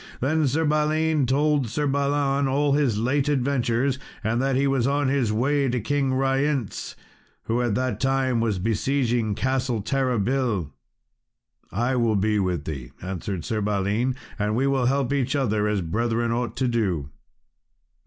Then Sir Balin told Sir Balan all his late adventures, and that he was on his way to King Ryence, who at that time was besieging Castle Terrabil. "I will be with thee," answered Sir Balan, "and we will help each other, as brethren ought to do."